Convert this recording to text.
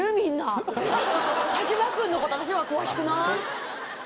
田島君のこと私詳しくない？